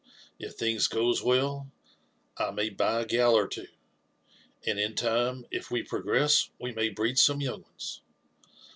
If things goes well, I may buy a gal or two; and in time, if we progress, wo may breed some young ones.